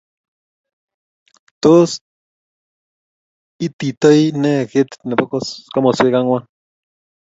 Tos iititoi née ketit nebo komoswek angwan